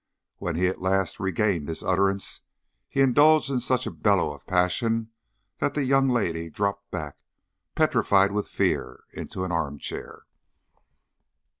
When he at last regained his utterance, he indulged in such a bellow of passion that the young lady dropped back, petrified with fear, into an armchair.